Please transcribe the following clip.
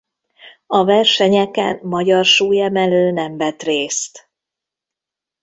A versenyeken magyar súlyemelő nem vett részt.